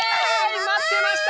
まってました！